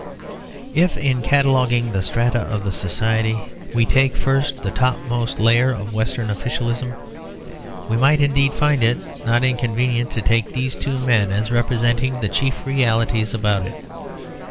If in cataloguing the strata of the society we take first the topmost layer of Western officialism, we might indeed find it not inconvenient to take these two men as representing the chief realities about it.